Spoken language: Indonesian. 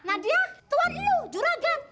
nadia tuan lo juragan